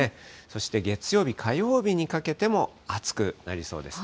そして月曜日、火曜日にかけても暑くなりそうです。